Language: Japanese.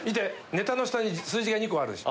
ネタの下に数字が２個あるでしょ。